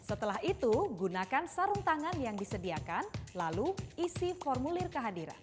setelah itu gunakan sarung tangan yang disediakan lalu isi formulir kehadiran